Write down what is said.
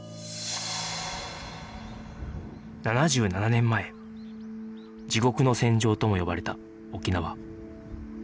７７年前地獄の戦場とも呼ばれた沖縄